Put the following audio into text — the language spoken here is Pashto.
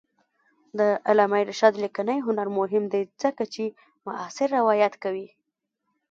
د علامه رشاد لیکنی هنر مهم دی ځکه چې معاصر روایت کوي.